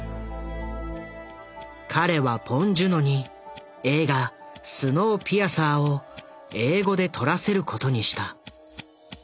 彼はポン・ジュノに映画「スノーピアサー」を英語で撮らせることにした。